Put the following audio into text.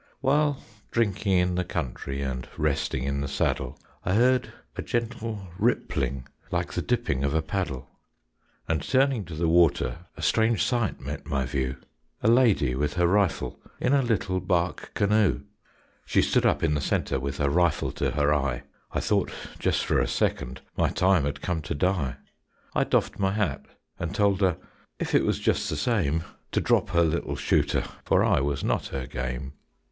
While drinking in the country And resting in the saddle, I heard a gentle rippling Like the dipping of a paddle, And turning to the water, A strange sight met my view, A lady with her rifle In a little bark canoe. She stood up in the center, With her rifle to her eye; I thought just for a second My time had come to die. I doffed my hat and told her, If it was just the same, To drop her little shooter, For I was not her game.